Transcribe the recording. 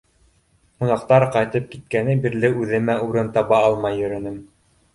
Ҡунаҡтар ҡайтып киткәне бирле үҙемә урын таба алмай йөрөнөм.